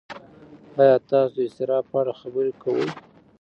ایا تاسو د اضطراب په اړه خبرې کوئ؟